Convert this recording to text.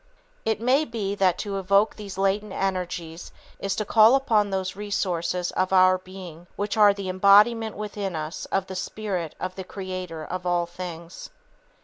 It may be that to evoke these latent energies is to call upon those resources of our being which are the embodiment within us of the spirit of the Creator of all things.